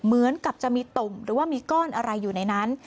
เหมือนกับจะมีตุ่มหรือว่ามีก้อนอะไรอยู่ในนั้น